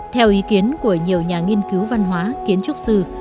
theo ý kiến của nhiều nhà nghiên cứu văn hóa kiến trúc sư